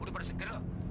udah pada segera lo